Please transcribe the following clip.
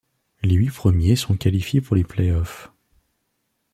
Les huit premiers sont qualifiés pour les play-offs.